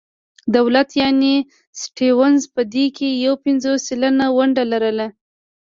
دولت یعنې سټیونز په دې کې یو پنځوس سلنه ونډه لرله.